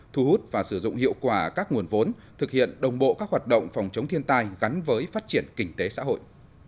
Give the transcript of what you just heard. thu hút và sử dụng hiệu quả các nguồn vốn thực hiện đồng bộ các hoạt động phòng chống thiên tai gắn với phát triển kinh tế xã hội